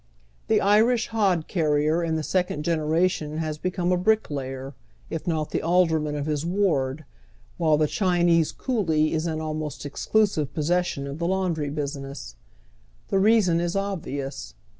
The Irish liod carrier in the second generation has become a brick layer, if not the Alderman of his ward, while the Chinese coolie is in almost eschisive possession of the laundry bus iness. The reason is obvious.